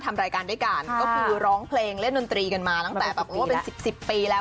ทำรายการด้วยกันก็คือร้องเพลงเล่นดนตรีกันมาตั้งแต่เป็น๑๐ปีแล้ว